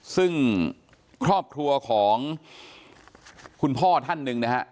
ซึ่งครอบครัวของคุณพ่อท่านหนึ่งนะฮะ